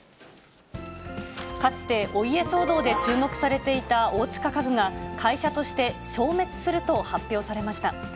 かつてお家騒動で注目されていた大塚家具が、会社として消滅すると発表されました。